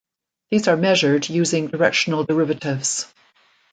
These are measured using directional derivatives.